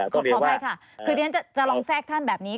ขออภัยค่ะคือที่ฉันจะลองแทรกท่านแบบนี้